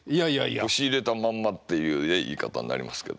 腰入れたまんまっていうね言い方になりますけど。